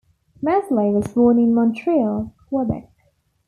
Mesley was born in Montreal, Quebec.